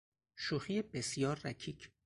شوخی بسیار رکیک